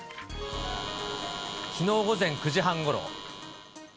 きのう午前９時半ごろ。